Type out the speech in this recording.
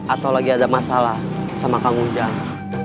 atau lagi ada masalah sama kang ujang